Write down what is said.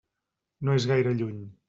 No és gaire lluny.